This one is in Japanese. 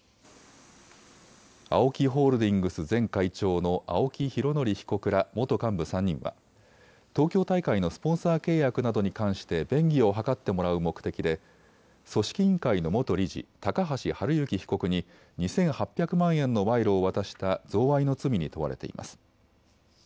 ＡＯＫＩホールディングス前会長の青木拡憲被告ら元幹部３人は東京大会のスポンサー契約などに関して便宜を図ってもらう目的で組織委員会の元理事、高橋治之被告に２８００万円の賄賂を渡した贈賄の罪に問われています。